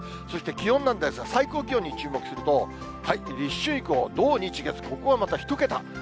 そして気温なんですが、最高気温に注目すると、立春以降、土、日、月、ここはまた１桁。